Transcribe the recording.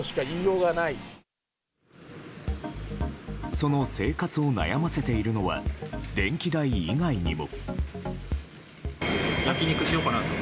その生活を悩ませているのは電気代以外にも。